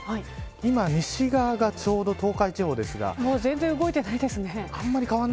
今西側がちょうど東海地方ですが全然動いてないですね。